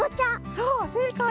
そうせいかい！